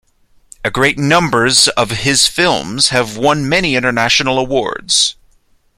A great numbers of his films have won many international awards.